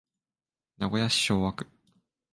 名古屋市昭和区